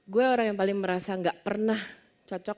gue orang yang paling merasa gak pernah cocok